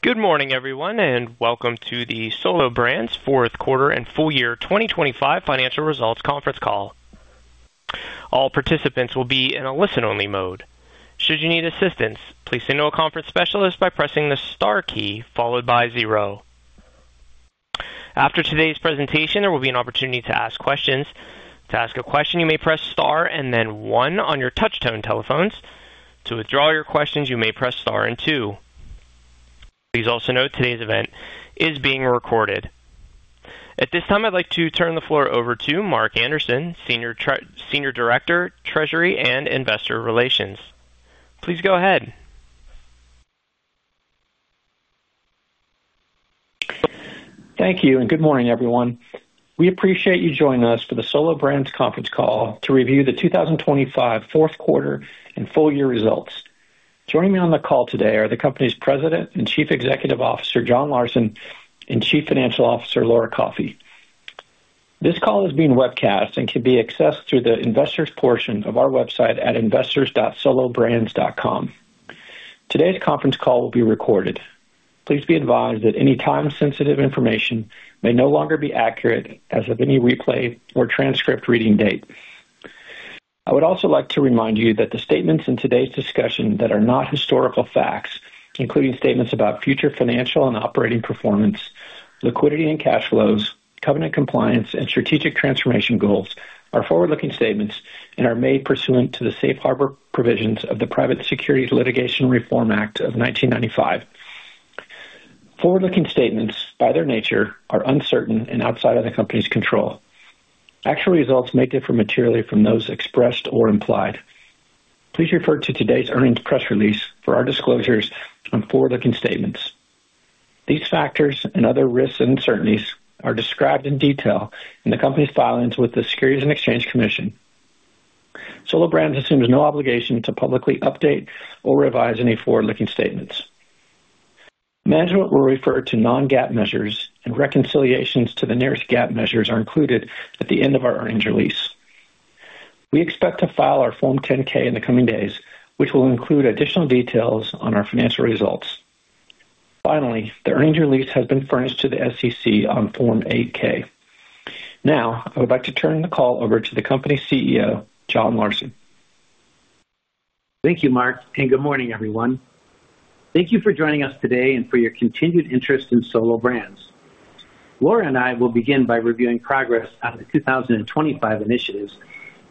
Good morning, everyone, and welcome to the Solo Brands Fourth Quarter and Full Year 2025 Financial Results Conference Call. All participants will be in a listen-only mode. Should you need assistance, please signal a conference specialist by pressing the star key followed by zero. After today's presentation, there will be an opportunity to ask questions. To ask a question, you may press star and then one on your touch-tone telephones. To withdraw your questions, you may press star and two. Please also note today's event is being recorded. At this time, I'd like to turn the floor over to Mark Anderson, Senior Director, Treasury and Investor Relations. Please go ahead. Thank you and good morning, everyone. We appreciate you joining us for the Solo Brands conference call to review the 2025 fourth quarter and full year results. Joining me on the call today are the company's President and Chief Executive Officer, John Larson, and Chief Financial Officer, Laura Coffey. This call is being webcast and can be accessed through the investors portion of our website at investors.solobrands.com. Today's conference call will be recorded. Please be advised that any time-sensitive information may no longer be accurate as of any replay or transcript reading date. I would also like to remind you that the statements in today's discussion that are not historical facts, including statements about future financial and operating performance, liquidity and cash flows, covenant compliance, and strategic transformation goals, are forward-looking statements and are made pursuant to the Safe Harbor Provisions of the Private Securities Litigation Reform Act of 1995. Forward-looking statements by their nature are uncertain and outside of the company's control. Actual results may differ materially from those expressed or implied. Please refer to today's earnings press release for our disclosures on forward-looking statements. These factors and other risks and uncertainties are described in detail in the company's filings with the Securities and Exchange Commission. Solo Brands assumes no obligation to publicly update or revise any forward-looking statements. Management will refer to non-GAAP measures, and reconciliations to the nearest GAAP measures are included at the end of our earnings release. We expect to file our Form 10-K in the coming days, which will include additional details on our financial results. Finally, the earnings release has been furnished to the SEC on Form 8-K. Now, I would like to turn the call over to the company CEO, John Larson. Thank you, Mark, and good morning, everyone. Thank you for joining us today and for your continued interest in Solo Brands. Laura and I will begin by reviewing progress on the 2025 initiatives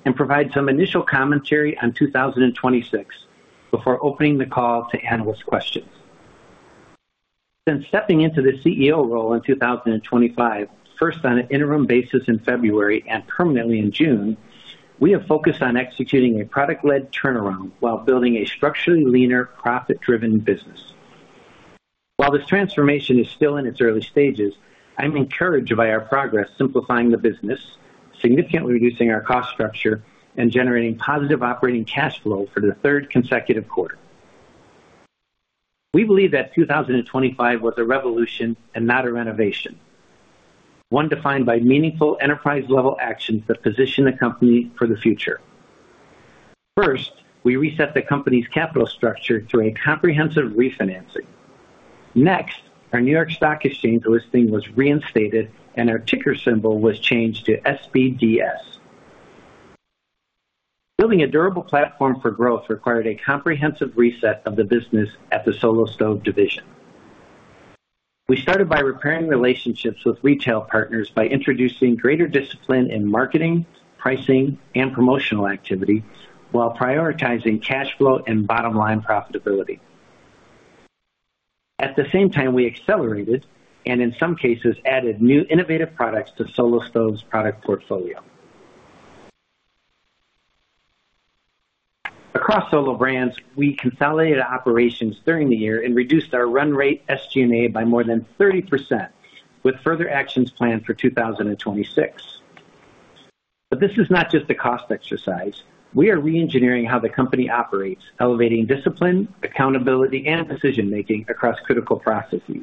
and provide some initial commentary on 2026 before opening the call to analyst questions. Since stepping into the CEO role in 2025, first on an interim basis in February and permanently in June, we have focused on executing a product-led turnaround while building a structurally leaner, profit-driven business. While this transformation is still in its early stages, I'm encouraged by our progress simplifying the business, significantly reducing our cost structure, and generating positive operating cash flow for the third consecutive quarter. We believe that 2025 was a revolution and not a renovation. One defined by meaningful enterprise-level actions that position the company for the future. First, we reset the company's capital structure through a comprehensive refinancing. Next, our New York Stock Exchange listing was reinstated, and our ticker symbol was changed to SBDS. Building a durable platform for growth required a comprehensive reset of the business at the Solo Stove division. We started by repairing relationships with retail partners by introducing greater discipline in marketing, pricing, and promotional activity while prioritizing cash flow and bottom-line profitability. At the same time, we accelerated and in some cases, added new innovative products to Solo Stove's product portfolio. Across Solo Brands, we consolidated operations during the year and reduced our run rate SG&A by more than 30%, with further actions planned for 2026. This is not just a cost exercise. We are reengineering how the company operates, elevating discipline, accountability, and decision-making across critical processes.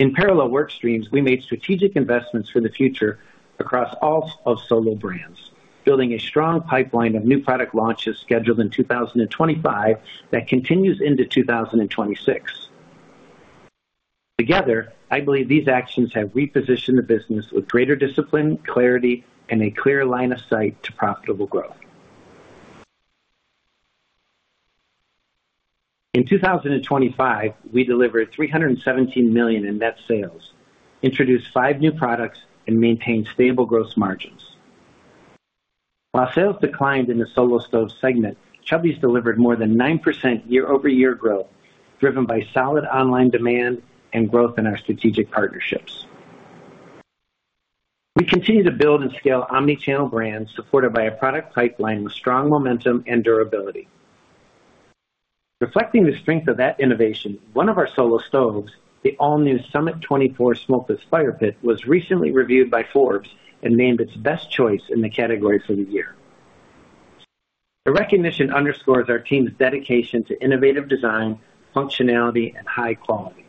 In parallel work streams, we made strategic investments for the future across all of Solo Brands, building a strong pipeline of new product launches scheduled in 2025 that continues into 2026. Together, I believe these actions have repositioned the business with greater discipline, clarity, and a clear line of sight to profitable growth. In 2025, we delivered $317 million in net sales, introduced 5 new products, and maintained stable gross margins. While sales declined in the Solo Stove segment, Chubbies delivered more than 9% year-over-year growth, driven by solid online demand and growth in our strategic partnerships. We continue to build and scale omnichannel brands supported by a product pipeline with strong momentum and durability. Reflecting the strength of that innovation, one of our Solo Stove, the all-new Summit 24" Smokeless Fire Pit, was recently reviewed by Forbes and named its best choice in the category for the year. The recognition underscores our team's dedication to innovative design, functionality, and high quality.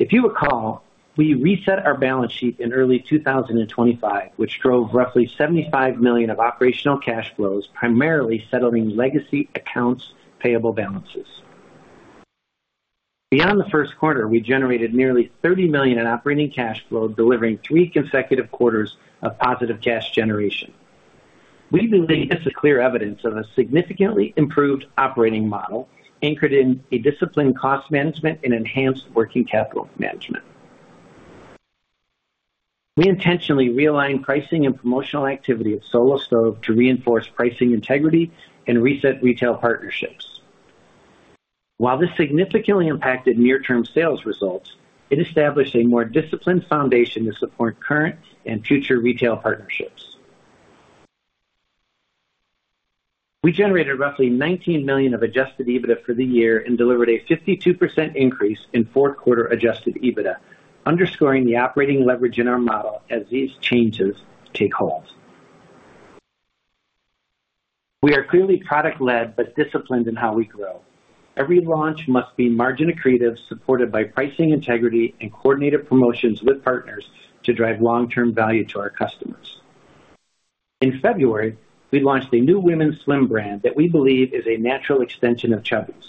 If you recall, we reset our balance sheet in early 2025, which drove roughly $75 million of operational cash flows, primarily settling legacy accounts payable balances. Beyond the first quarter, we generated nearly $30 million in operating cash flow, delivering three consecutive quarters of positive cash generation. We believe this is clear evidence of a significantly improved operating model anchored in a disciplined cost management and enhanced working capital management. We intentionally realigned pricing and promotional activity of Solo Stove to reinforce pricing integrity and reset retail partnerships. While this significantly impacted near-term sales results, it established a more disciplined foundation to support current and future retail partnerships. We generated roughly $19 million of Adjusted EBITDA for the year and delivered a 52% increase in fourth quarter Adjusted EBITDA, underscoring the operating leverage in our model as these changes take hold. We are clearly product-led but disciplined in how we grow. Every launch must be margin accretive, supported by pricing integrity and coordinated promotions with partners to drive long-term value to our customers. In February, we launched a new women's swim brand that we believe is a natural extension of Chubbies.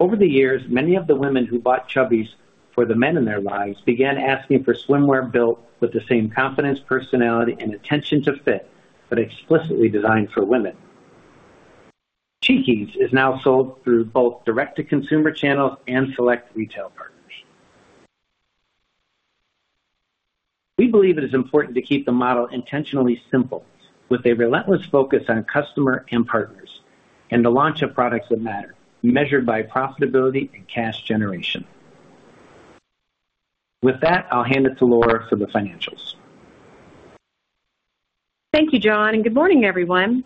Over the years, many of the women who bought Chubbies for the men in their lives began asking for swimwear built with the same confidence, personality, and attention to fit, but explicitly designed for women. Cheekies is now sold through both direct-to-consumer channels and select retail partners. We believe it is important to keep the model intentionally simple, with a relentless focus on customer and partners, and the launch of products that matter, measured by profitability and cash generation. With that, I'll hand it to Laura for the financials. Thank you, John, and good morning, everyone.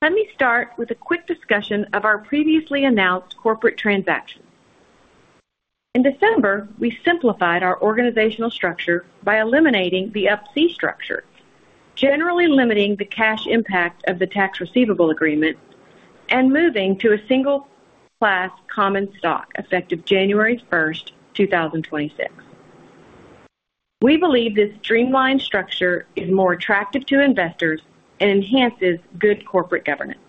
Let me start with a quick discussion of our previously announced corporate transactions. In December, we simplified our organizational structure by eliminating the Up-C structure, generally limiting the cash impact of the Tax Receivable Agreement, and moving to a single class common stock effective January 1st, 2026. We believe this streamlined structure is more attractive to investors and enhances good corporate governance.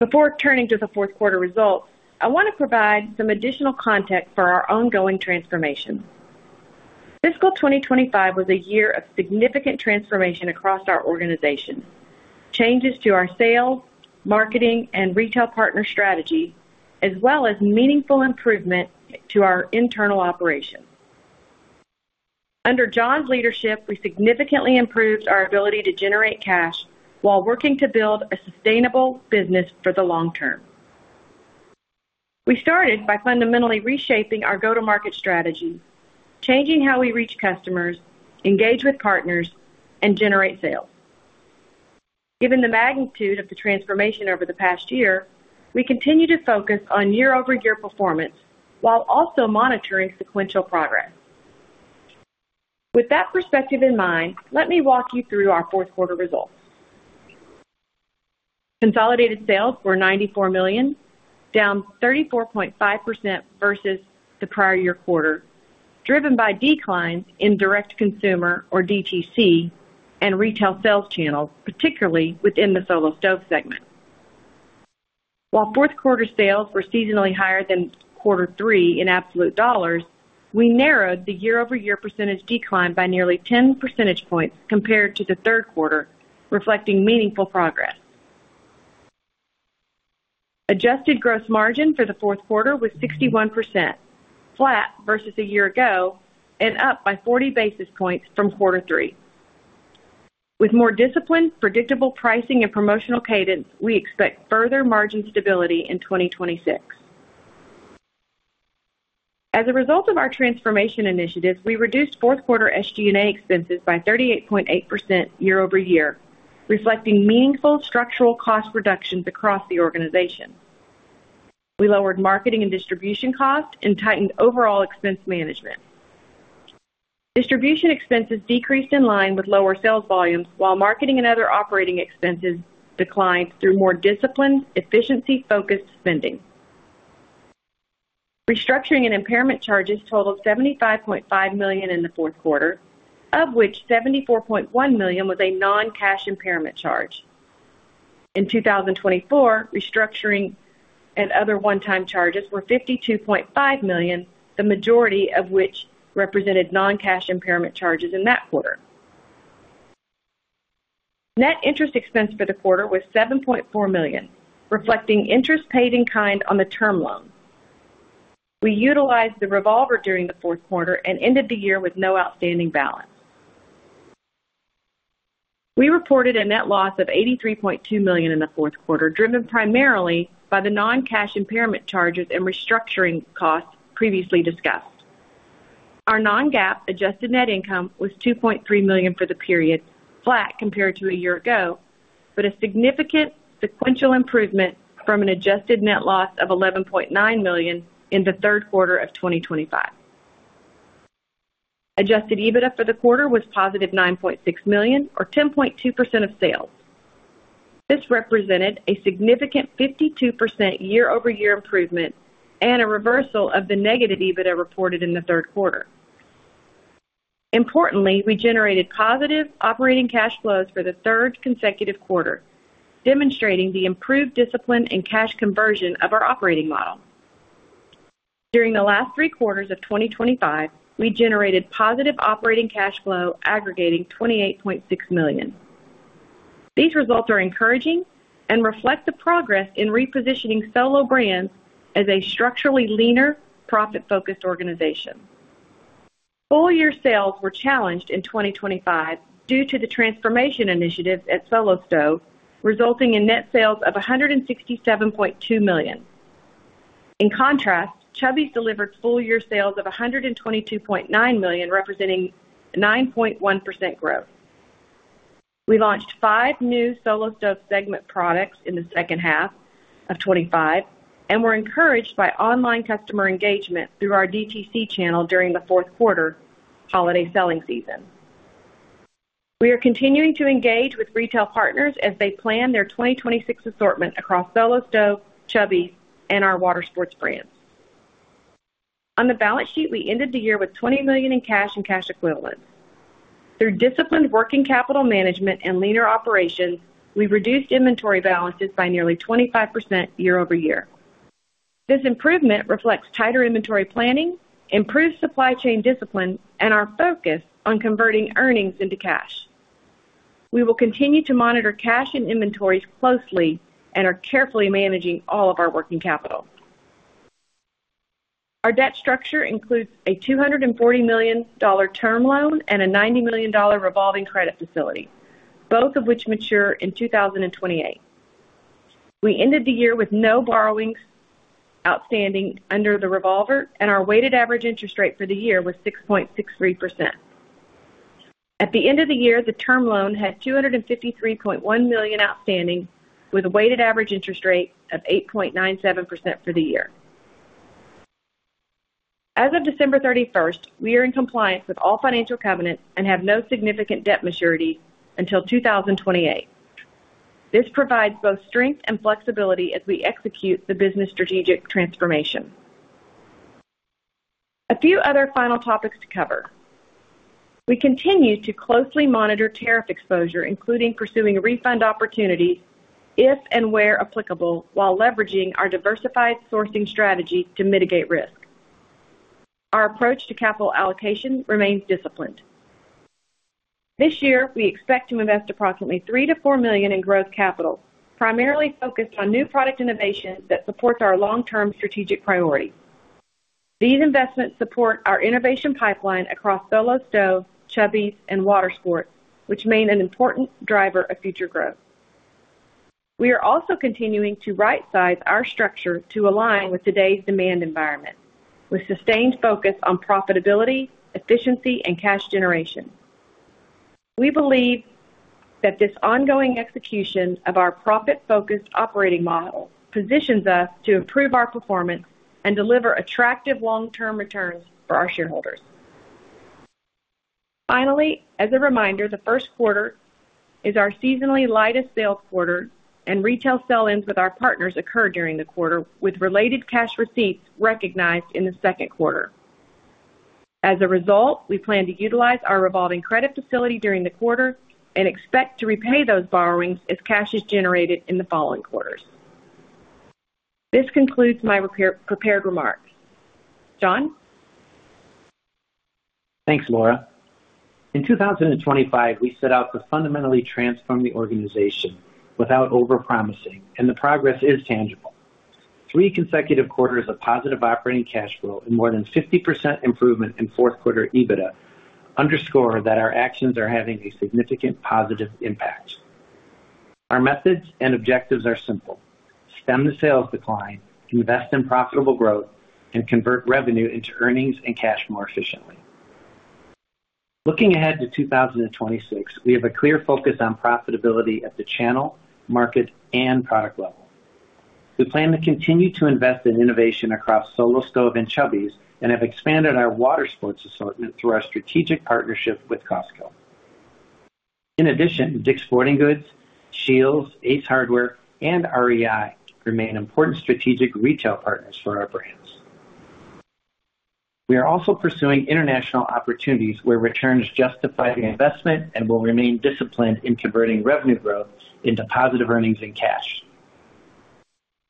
Before turning to the fourth quarter results, I wanna provide some additional context for our ongoing transformation. Fiscal 2025 was a year of significant transformation across our organization, changes to our sales, marketing, and retail partner strategy, as well as meaningful improvement to our internal operations. Under John's leadership, we significantly improved our ability to generate cash while working to build a sustainable business for the long term. We started by fundamentally reshaping our go-to-market strategy, changing how we reach customers, engage with partners, and generate sales. Given the magnitude of the transformation over the past year, we continue to focus on year-over-year performance while also monitoring sequential progress. With that perspective in mind, let me walk you through our fourth quarter results. Consolidated sales were $94 million, down 34.5% versus the prior year quarter, driven by declines in direct consumer, or DTC, and retail sales channels, particularly within the Solo Stove segment. While fourth quarter sales were seasonally higher than quarter three in absolute dollars, we narrowed the year-over-year percentage decline by nearly 10 percentage points compared to the third quarter, reflecting meaningful progress. Adjusted gross margin for the fourth quarter was 61%, flat versus a year ago and up by 40 basis points from quarter three. With more disciplined, predictable pricing and promotional cadence, we expect further margin stability in 2026. As a result of our transformation initiative, we reduced fourth quarter SG&A expenses by 38.8% year-over-year, reflecting meaningful structural cost reductions across the organization. We lowered marketing and distribution costs and tightened overall expense management. Distribution expenses decreased in line with lower sales volumes while marketing and other operating expenses declined through more disciplined, efficiency-focused spending. Restructuring and impairment charges totaled $75.5 million in the fourth quarter, of which $74.1 million was a non-cash impairment charge. In 2024, restructuring and other one-time charges were $52.5 million, the majority of which represented non-cash impairment charges in that quarter. Net interest expense for the quarter was $7.4 million, reflecting interest paid in kind on the term loan. We utilized the revolver during the fourth quarter and ended the year with no outstanding balance. We reported a net loss of $83.2 million in the fourth quarter, driven primarily by the non-cash impairment charges and restructuring costs previously discussed. Our non-GAAP adjusted net income was $2.3 million for the period, flat compared to a year ago, but a significant sequential improvement from an adjusted net loss of $11.9 million in the third quarter of 2025. Adjusted EBITDA for the quarter was positive $+9.6 million, or 10.2% of sales. This represented a significant 52% year-over-year improvement and a reversal of the negative EBITDA reported in the third quarter. Importantly, we generated positive operating cash flows for the third consecutive quarter, demonstrating the improved discipline and cash conversion of our operating model. During the last three quarters of 2025, we generated positive operating cash flow aggregating $28.6 million. These results are encouraging and reflect the progress in repositioning Solo Brands as a structurally leaner, profit-focused organization. Full-year sales were challenged in 2025 due to the transformation initiatives at Solo Stove, resulting in net sales of $167.2 million. In contrast, Chubbies delivered full year sales of $122.9 million, representing 9.1% growth. We launched five new Solo Stove segment products in the second half of 2025, and were encouraged by online customer engagement through our DTC channel during the fourth quarter holiday selling season. We are continuing to engage with retail partners as they plan their 2026 assortment across Solo Stove, Chubbies, and our Water Sports brands. On the balance sheet, we ended the year with $20 million in cash and cash equivalents. Through disciplined working capital management and leaner operations, we reduced inventory balances by nearly 25% year-over-year. This improvement reflects tighter inventory planning, improved supply chain discipline, and our focus on converting earnings into cash. We will continue to monitor cash and inventories closely and are carefully managing all of our working capital. Our debt structure includes a $240 million term loan and a $90 million revolving credit facility, both of which mature in 2028. We ended the year with no borrowings outstanding under the revolver, and our weighted average interest rate for the year was 6.63%. At the end of the year, the term loan had $253.1 million outstanding, with a weighted average interest rate of 8.97% for the year. As of December 31st, we are in compliance with all financial covenants and have no significant debt maturity until 2028. This provides both strength and flexibility as we execute the business strategic transformation. A few other final topics to cover. We continue to closely monitor tariff exposure, including pursuing refund opportunities if and where applicable, while leveraging our diversified sourcing strategy to mitigate risk. Our approach to capital allocation remains disciplined. This year, we expect to invest approximately $3 million-$4 million in growth capital, primarily focused on new product innovation that supports our long-term strategic priorities. These investments support our innovation pipeline across Solo Stove, Chubbies, and Watersports, which remain an important driver of future growth. We are also continuing to right size our structure to align with today's demand environment with sustained focus on profitability, efficiency, and cash generation. We believe that this ongoing execution of our profit-focused operating model positions us to improve our performance and deliver attractive long-term returns for our shareholders. Finally, as a reminder, the first quarter is our seasonally lightest sales quarter, and retail sell-ins with our partners occur during the quarter, with related cash receipts recognized in the second quarter. As a result, we plan to utilize our revolving credit facility during the quarter and expect to repay those borrowings as cash is generated in the following quarters. This concludes my prepared remarks. John? Thanks, Laura. In 2025, we set out to fundamentally transform the organization without over-promising, and the progress is tangible. Three consecutive quarters of positive operating cash flow and more than 50% improvement in fourth quarter EBITDA underscore that our actions are having a significant positive impact. Our methods and objectives are simple. Stem the sales decline, invest in profitable growth, and convert revenue into earnings and cash more efficiently. Looking ahead to 2026, we have a clear focus on profitability at the channel, market, and product level. We plan to continue to invest in innovation across Solo Stove and Chubbies, and have expanded our Water Sports assortment through our strategic partnership with Costco. In addition, Dick's Sporting Goods, Scheels, Ace Hardware, and REI remain important strategic retail partners for our brands. We are also pursuing international opportunities where returns justify the investment and will remain disciplined in converting revenue growth into positive earnings and cash.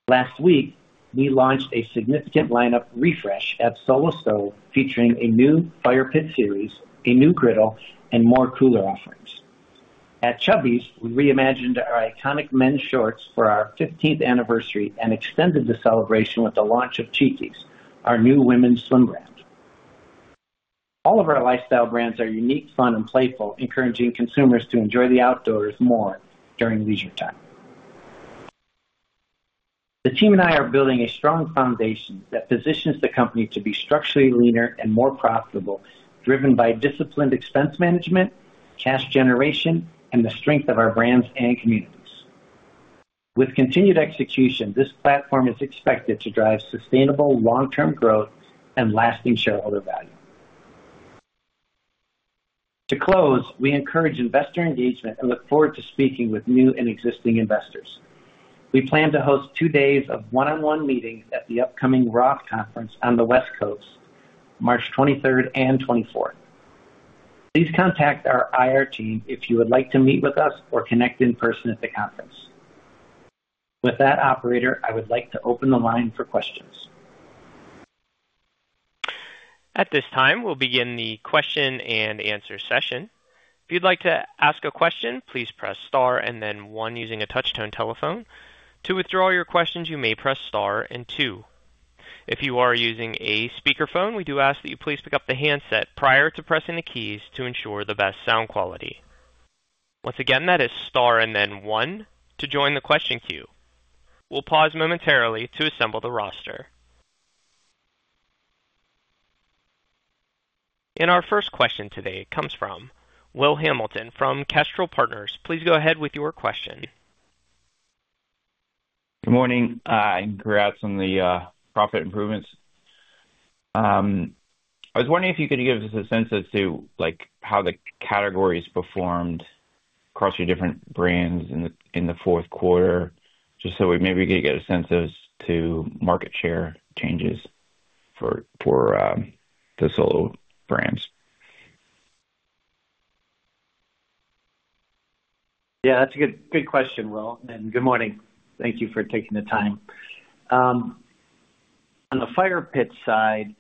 Last week, we launched a significant lineup refresh at Solo Stove, featuring a new fire pit series, a new griddle, and more cooler offerings. At Chubbies, we reimagined our iconic men's shorts for our fifteenth anniversary and extended the celebration with the launch of Cheekies, our new women's swim brand. All of our lifestyle brands are unique, fun, and playful, encouraging consumers to enjoy the outdoors more during leisure time. The team and I are building a strong foundation that positions the company to be structurally leaner and more profitable, driven by disciplined expense management, cash generation, and the strength of our brands and community. With continued execution, this platform is expected to drive sustainable long-term growth and lasting shareholder value. To close, we encourage investor engagement and look forward to speaking with new and existing investors. We plan to host two days of one-on-one meetings at the upcoming ROTH Conference on the West Coast, March 23rd and 24th. Please contact our IR team if you would like to meet with us or connect in person at the conference. With that, Operator, I would like to open the line for questions. At this time, we'll begin the question-and-answer session. If you'd like to ask a question, please press star and then one using a touch-tone telephone. To withdraw your questions, you may press star and two. If you are using a speakerphone, we do ask that you please pick up the handset prior to pressing the keys to ensure the best sound quality. Once again, that is star and then one to join the question queue. We'll pause momentarily to assemble the roster. Our first question today comes from Will Hamilton from Kestrel Partners. Please go ahead with your question. Good morning. Congrats on the profit improvements. I was wondering if you could give us a sense as to, like, how the categories performed across your different brands in the fourth quarter, just so we maybe could get a sense as to market share changes for the Solo Brands. Yeah, that's a good question, Will, and good morning. Thank you for taking the time. On the fire pit side,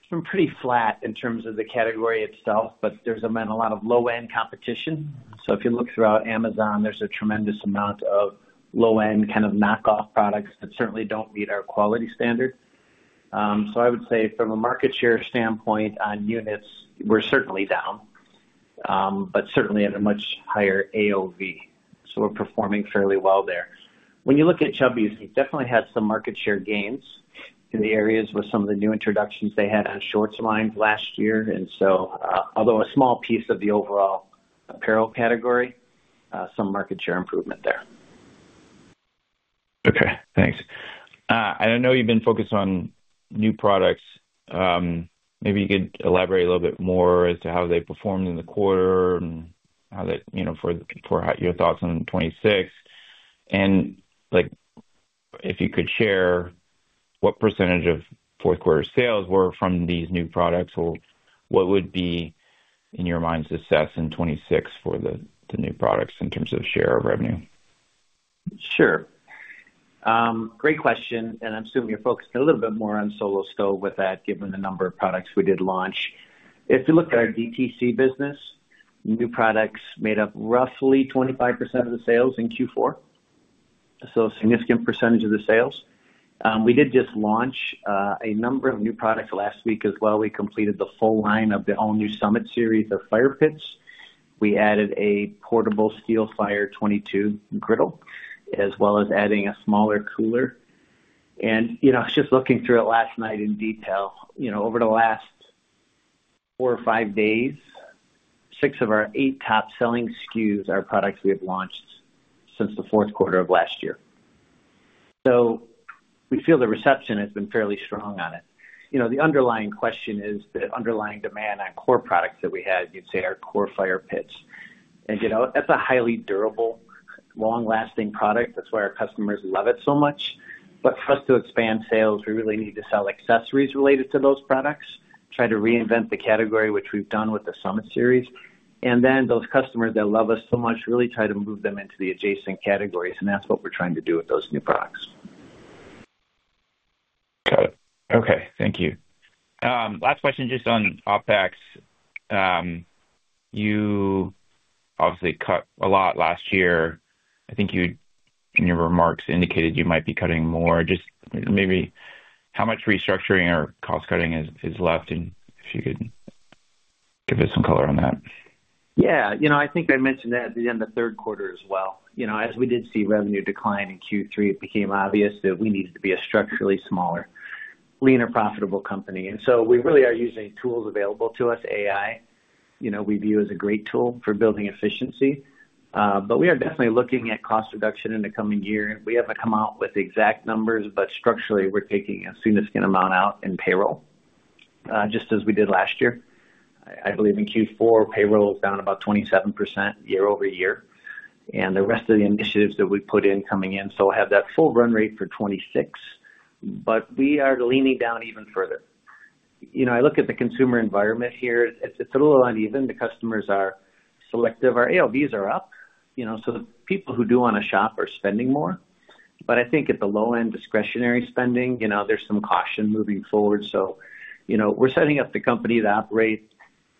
it's been pretty flat in terms of the category itself, but there's been a lot of low-end competition. If you look throughout Amazon, there's a tremendous amount of low-end kind of knockoff products that certainly don't meet our quality standard. I would say from a market share standpoint on units, we're certainly down, but certainly at a much higher AOV. We're performing fairly well there. When you look at Chubbies, we definitely had some market share gains in the areas with some of the new introductions they had on shorts line last year. Although a small piece of the overall apparel category, some market share improvement there. Okay, thanks. I know you've been focused on new products. Maybe you could elaborate a little bit more as to how they performed in the quarter and how that, you know, for your thoughts on 2026. Like, if you could share what percentage of fourth quarter sales were from these new products or what would be in your mind success in 2026 for the new products in terms of share of revenue? Sure. Great question, and I'm assuming you're focused a little bit more on Solo Stove with that, given the number of products we did launch. If you look at our DTC business, new products made up roughly 25% of the sales in Q4, so a significant percentage of the sales. We did just launch a number of new products last week as well. We completed the full line of the all-new Summit series of fire pits. We added a portable Steelfire 22 griddle, as well as adding a smaller cooler. You know, I was just looking through it last night in detail. You know, over the last four or five days, six of our eight top-selling SKUs are products we have launched since the fourth quarter of last year. So we feel the reception has been fairly strong on it. You know, the underlying question is the underlying demand on core products that we had, you'd say our core fire pits. You know, that's a highly durable, long-lasting product. That's why our customers love it so much. For us to expand sales, we really need to sell accessories related to those products, try to reinvent the category, which we've done with the Summit series. Those customers that love us so much, really try to move them into the adjacent categories, and that's what we're trying to do with those new products. Got it. Okay. Thank you. Last question, just on OpEx. You obviously cut a lot last year. I think you, in your remarks, indicated you might be cutting more. Just maybe how much restructuring or cost-cutting is left, and if you could give us some color on that. Yeah. You know, I think I mentioned that at the end of third quarter as well. You know, as we did see revenue decline in Q3, it became obvious that we needed to be a structurally smaller, leaner, profitable company. We really are using tools available to us. AI, you know, we view as a great tool for building efficiency. But we are definitely looking at cost reduction in the coming year. We haven't come out with exact numbers, but structurally, we're taking a significant amount out in payroll, just as we did last year. I believe in Q4, payroll was down about 27% year-over-year. The rest of the initiatives that we put in coming in, so we'll have that full run rate for 2026. But we are leaning down even further. You know, I look at the consumer environment here, it's a little uneven. The customers are selective. Our AOVs are up, you know, so the people who do wanna shop are spending more. I think at the low end, discretionary spending, you know, there's some caution moving forward. You know, we're setting up the company to operate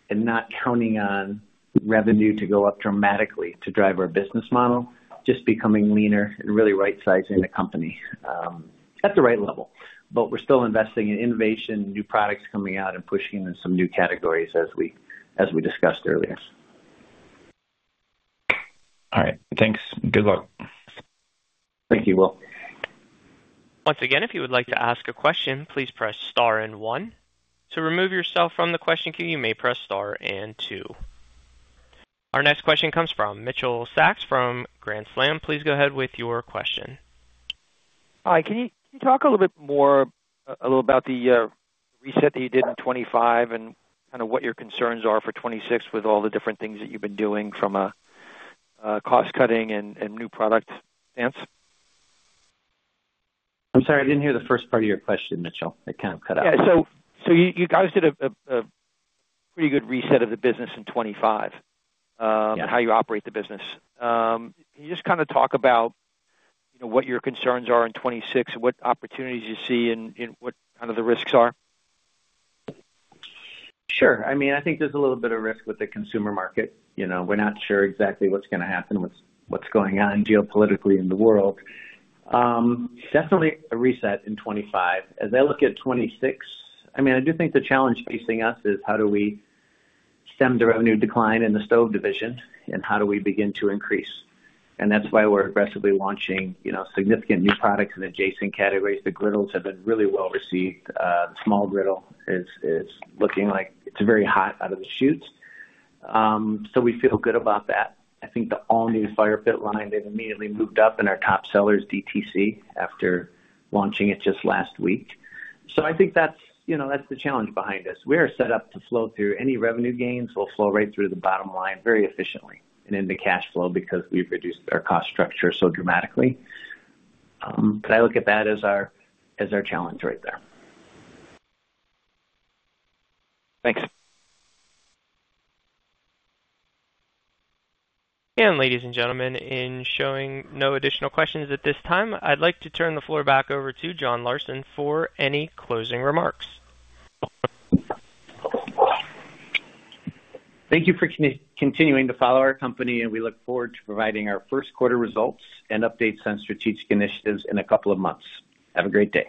and not counting on revenue to go up dramatically to drive our business model, just becoming leaner and really rightsizing the company at the right level. We're still investing in innovation, new products coming out and pushing in some new categories as we discussed earlier. All right. Thanks. Good luck. Thank you, Will. Once again, if you would like to ask a question, please press star and one. To remove yourself from the question queue, you may press star and two. Our next question comes from Mitchell Sacks from Grand Slam. Please go ahead with your question. Hi. Can you talk a little bit more, a little about the reset that you did in 2025 and kinda what your concerns are for 2026 with all the different things that you've been doing from a cost-cutting and new product stance? I'm sorry, I didn't hear the first part of your question, Mitchell. It kind of cut out. Yeah. You guys did a pretty good reset of the business in 2025. Yeah. How you operate the business. Can you just kinda talk about, you know, what your concerns are in 2026 and what opportunities you see and what kind of the risks are? Sure. I mean, I think there's a little bit of risk with the consumer market. You know, we're not sure exactly what's gonna happen with what's going on geopolitically in the world. Definitely a reset in 2025. As I look at 2026, I mean, I do think the challenge facing us is how do we stem the revenue decline in the stove division, and how do we begin to increase? That's why we're aggressively launching, you know, significant new products in adjacent categories. The griddles have been really well received. The small griddle is looking like it's very hot out of the chutes. We feel good about that. I think the all-new Fire Pit line has immediately moved up in our top sellers DTC after launching it just last week. I think that's, you know, that's the challenge behind this. We are set up to flow through any revenue gains. We'll flow right through the bottom line very efficiently and into cash flow because we've reduced our cost structure so dramatically. I look at that as our challenge right there. Thanks. Ladies and gentlemen, seeing no additional questions at this time, I'd like to turn the floor back over to John Larson for any closing remarks. Thank you for continuing to follow our company, and we look forward to providing our first quarter results and updates on strategic initiatives in a couple of months. Have a great day.